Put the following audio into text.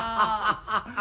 ハハハハハ。